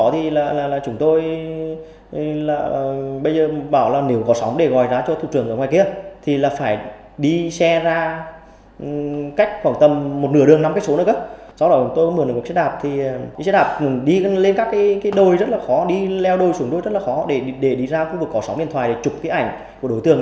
vì dân khách xe đạp thì đi lên các đồi rất là khó đi leo đồi xuống đồi rất là khó để đi ra khu vực có sóng điện thoại để chụp ảnh của đối tượng